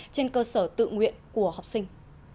trên cơ sở tự nguyện của học sinh